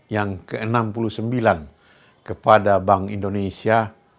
yang ke enam puluh sembilan kepada bank indonesia